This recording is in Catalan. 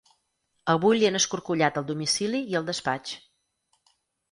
Avui li han escorcollat el domicili i el despatx.